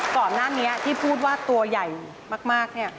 ก่อนหน้านี้ที่พูดว่าตัวใหญ่มากเนี่ย